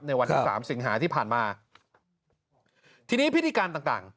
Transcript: ในวันที่๓สิงหาที่ผ่านมาทีนี้พิธีการต่าง